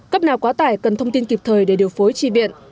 cấp nào quá tải cần thông tin kịp thời để điều phối tri viện